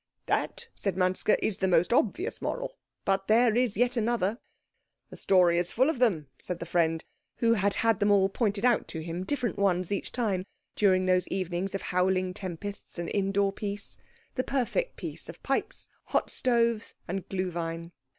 "That," said Manske, "is the most obvious moral. But there is yet another." "The story is full of them," said the friend, who had had them all pointed out to him, different ones each time, during those evenings of howling tempests and indoor peace the perfect peace of pipes, hot stoves, and Glühwein.